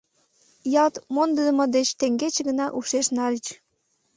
Ялт мондыдымо деч теҥгече гына ушеш нальыч.